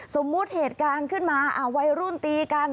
สมมุติเหตุการณ์ขึ้นมาวัยรุ่นตีกัน